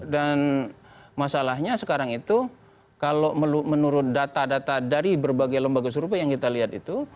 dan masalahnya sekarang itu kalau menurut data data dari berbagai lembaga serupa yang kita lihat